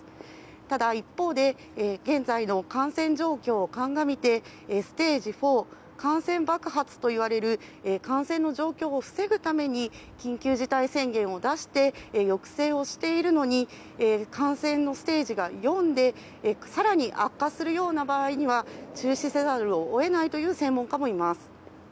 ただ、一方で現在の感染状況を鑑みてステージ４、感染爆発といわれる感染の状況を防ぐために緊急事態宣言を出して抑制をしているのに感染のステージが４で更に悪化するような場合には中止せざるを得ないという専門家もいます。